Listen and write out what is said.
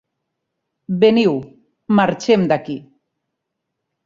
Veniu, marxem d'aquí!